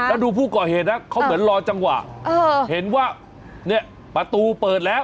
แล้วดูผู้ก่อเหตุนะเขาเหมือนรอจังหวะเห็นว่าเนี่ยประตูเปิดแล้ว